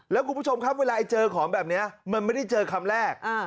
แล้วคุณผู้ชมครับเวลาไอ้เจอของแบบนี้มันไม่ได้เจอคำแรก